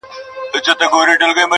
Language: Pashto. څه د خانانو- عزیزانو څه دربار مېلمانه-